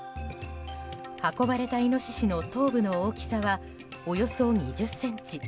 運ばれたイノシシの頭部の大きさは、およそ２０ｃｍ。